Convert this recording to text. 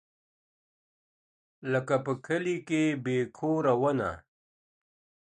لکه په کلي کي بې کوره ونه.